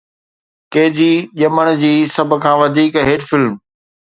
K جي ڄمڻ جي سڀ کان وڌيڪ هٽ فلم